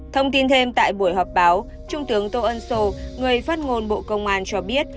thông tin thêm tại buổi họp báo trung tướng tô ân sô người phát ngôn bộ công an cho biết